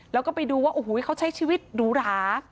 แล้วก็ไปดูว่าเขาใช้ชีวิตดูหรา